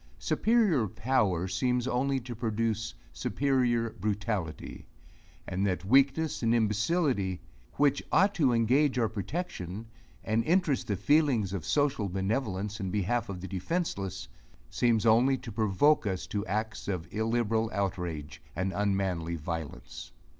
Superior power seems only to produce superior brutality; and that weakness and imbecility, which ought to engage our protection, and interest the feelings of social benevolence in behalf of the defenceless, seems only to provoke us to acts of illiberal outrage and unmanly violence.